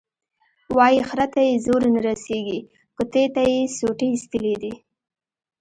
وایي خره ته یې زور نه رسېږي، کتې ته یې سوټي ایستلي دي.